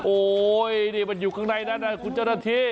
โอ๊ยนี่มันอยู่ข้างในนั้นนะคุณเจ้าหน้าที่